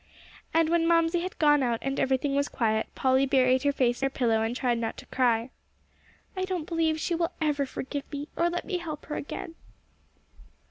And when Mamsie had gone out and everything was quiet, Polly buried her face in her pillow, and tried not to cry. "I don't believe she will ever forgive me, or let me help her again."